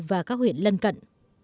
và các huyện lân cận